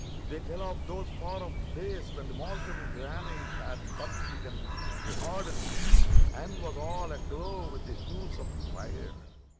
They tell of those far off days when the molten granite had but begun to harden, and was all aglow with the hues of fire.